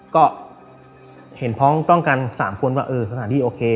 ก็เห็นพ้องต้องกัน๓คนว่าเออสถานที่โอเค